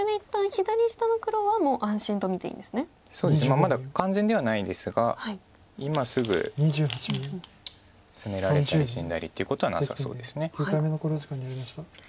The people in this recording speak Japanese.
まだ完全ではないですが今すぐ攻められたり死んだりということはなさそうです。